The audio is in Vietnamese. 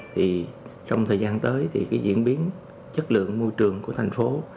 thì trong thời gian tới thì cái diễn biến chất lượng môi trường của thành phố